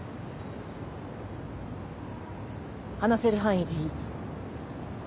話せる範囲でいい。